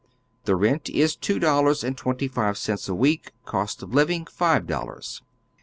The rent is two dollars and twenty five cents a week, cost of living five dollars.